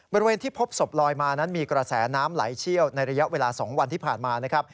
บริเวณที่พบศพลอยมานั้นมีกระแสน้ำไหลเชี่ยวในระยะเวลา๒วันที่ผ่านมานะครับ